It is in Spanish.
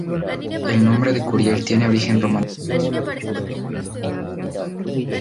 El nombre de Curiel tiene origen romano.